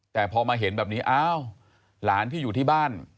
แต่พอมาเห็นแบบนี้อ้าวหลานที่อยู่ที่บ้าน